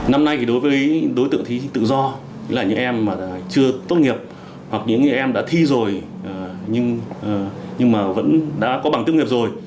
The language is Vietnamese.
năm nay thì đối với đối tượng thí tự do là những em chưa tốt nghiệp hoặc những em đã thi rồi nhưng mà vẫn đã có bằng tốt nghiệp rồi